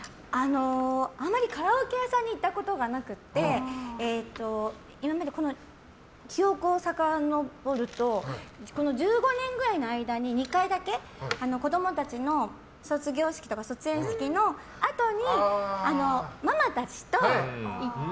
あんまりカラオケ屋さんに行ったことがなくて記憶をさかのぼるとこの１５年ぐらいの間に２回だけ、子供たちの卒業式とか卒園式のあとにママたちと行って。